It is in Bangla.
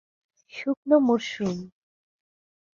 শুকনো মরসুম।